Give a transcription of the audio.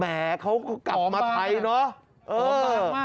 อ๋อแหมเขากลับมาไทยเนอะ